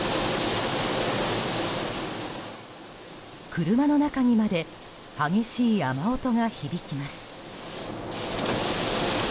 車の中にまで激しい雨音が響きます。